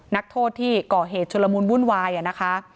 นักโทษที่ก่อเหตุชุลมุนวุ่นวายนะคะ